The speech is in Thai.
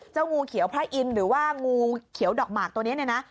งูเขียวพระอินทร์หรือว่างูเขียวดอกหมากตัวนี้เนี่ยนะ